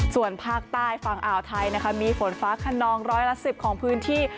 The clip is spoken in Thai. ส่วนภาคใต้ฝั่งอ่าวไทยนะคะมีฝนฟ้าขนองร้อยละ๑๐ของพื้นที่